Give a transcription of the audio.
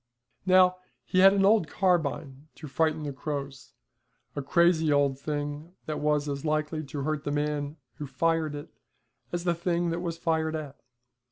Now he had an old carbine to frighten the crows, a crazy old thing that was as likely to hurt the man who fired it as the thing that was fired at.